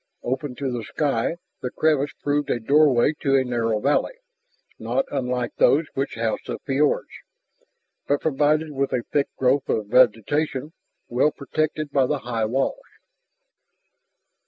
Open to the sky the crevice proved a doorway to a narrow valley, not unlike those which housed the fiords, but provided with a thick growth of vegetation well protected by the high walls.